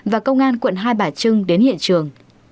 và công an quận hai bà trưng đến hiện trường